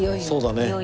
そうだね。